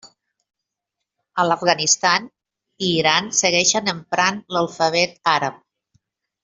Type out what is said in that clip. A l'Afganistan i Iran segueixen emprant l'alfabet àrab.